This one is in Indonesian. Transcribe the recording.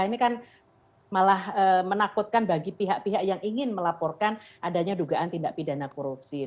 ini kan malah menakutkan bagi pihak pihak yang ingin melaporkan adanya dugaan tindak pidana korupsi